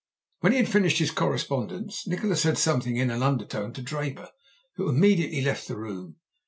When he had finished his correspondence Nikola said something in an undertone to Draper, who immediately left the room.